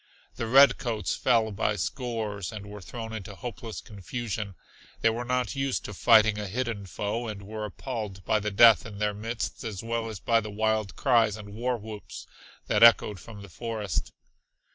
The redcoats fell by scores and were thrown into hopeless confusion. They were not used to fighting a hidden foe, and were appalled by the death in their midst as well as by the wild cries and war whoops that echoed from the forest.